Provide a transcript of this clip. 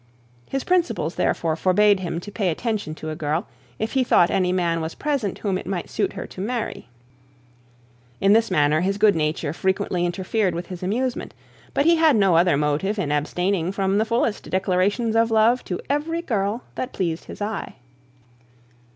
His principles therefore forbade him to pay attention to a girl, if he thought any man was present whom it might suit her to marry. In this manner, his good nature frequently interfered with his amusement; but he had no other motive in abstaining from the fullest declaration of love to every girl that pleased his eye.